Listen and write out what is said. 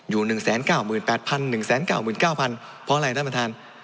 อยู่๑๙๘๑๙๙๐๐เพราะอะไรท่านประธาน